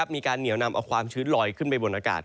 มีการเหนียวนำเอาความชื้นลอยขึ้นไปบนอากาศ